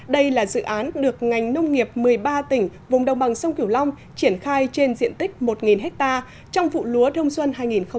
đây là dự án được ngành nông nghiệp một mươi ba tỉnh vùng đồng bằng sông kiểu long triển khai trên diện tích một ha trong vụ lúa đông xuân hai nghìn một mươi sáu hai nghìn một mươi bảy